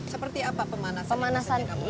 seperti apa pemanasan yang biasanya kamu lakukan